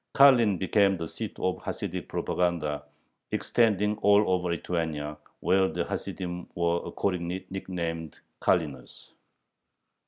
Karlin became the seat of a Hasidic propaganda extending all over Lithuania, where the Hasidim were accordingly nicknamed "Karliners."